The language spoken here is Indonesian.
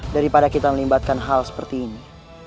daripada kita melibatkan hal seperti ini